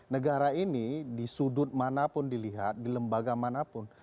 negara ini di sudut manapun dilihat di lembaga manapun